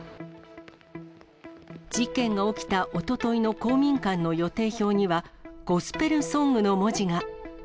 事件が起きたおとといの公民館の予定表には、ゴスペルソングの文字が。